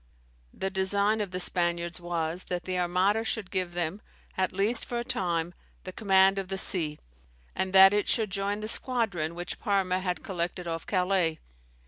The design of the Spaniards was, that the Armada should give them, at least for a time, the command of the sea, and that it should join the squadron which Parma had collected, off Calais.